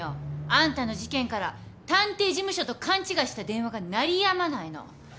あんたの事件から探偵事務所と勘違いした電話が鳴りやまないの。